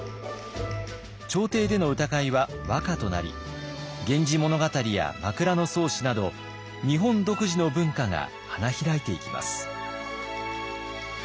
朝廷での歌会は和歌となり「源氏物語」や「枕草子」など日本独自の文化が花開いていきます。